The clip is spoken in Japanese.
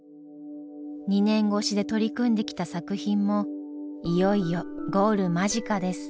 ２年越しで取り組んできた作品もいよいよゴール間近です。